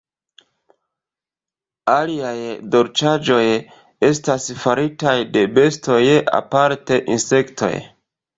Aliaj dolĉaĵoj estas faritaj de bestoj, aparte insektoj.